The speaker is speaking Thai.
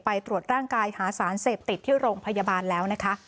ตรวจร่างกายหาสารเสพติดที่โรงพยาบาลแล้วนะคะ